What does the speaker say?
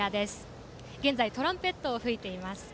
現在トランペットを吹いています。